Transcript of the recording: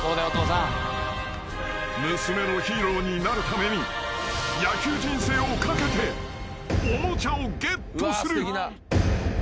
［娘のヒーローになるために野球人生を懸けておもちゃをゲットする］